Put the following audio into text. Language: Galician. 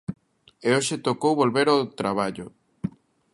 E hoxe tocou volver ao traballo.